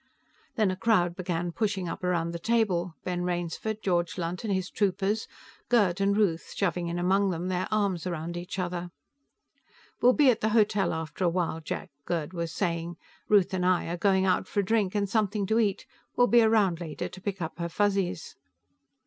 Then a crowd began pushing up around the table; Ben Rainsford, George Lunt and his troopers, Gerd and Ruth, shoving in among them, their arms around each other. "We'll be at the hotel after a while, Jack," Gerd was saying. "Ruth and I are going out for a drink and something to eat; we'll be around later to pick up her Fuzzies."